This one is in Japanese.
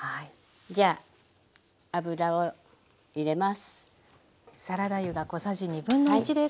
じゃあ油を入れます。